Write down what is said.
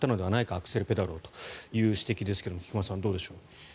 アクセルペダルをという指摘ですが菊間さん、どうでしょう。